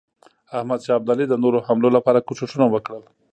احمدشاه ابدالي د نورو حملو لپاره کوښښونه وکړل.